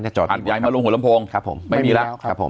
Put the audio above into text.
อัตยายมาลงหัวลำโพงครับไม่มีรัฐครับ